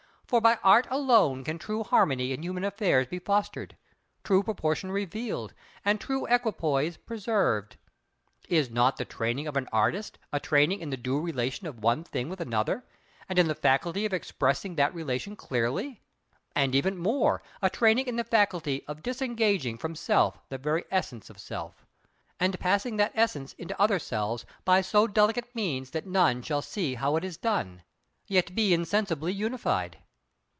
For by Art alone can true harmony in human affairs be fostered, true Proportion revealed, and true Equipoise preserved. Is not the training of an artist a training in the due relation of one thing with another, and in the faculty of expressing that relation clearly; and, even more, a training in the faculty of disengaging from self the very essence of self—and passing that essence into other selves by so delicate means that none shall see how it is done, yet be insensibly unified?